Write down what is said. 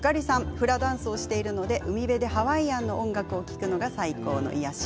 フラダンスをしているので海辺でハワイアンの音楽を聴くのが最高の癒やし。